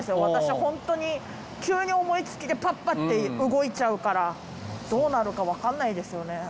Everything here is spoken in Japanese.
私ホントに急に思い付きでぱっぱって動いちゃうからどうなるか分かんないですよね。